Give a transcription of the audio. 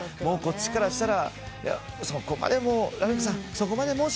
もうこっちからしたら「そこまで。